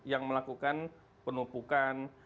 yang melakukan penumpukan